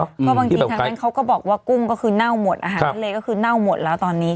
เพราะบางทีทางนั้นเขาก็บอกว่ากุ้งก็คือเน่าหมดอาหารทะเลก็คือเน่าหมดแล้วตอนนี้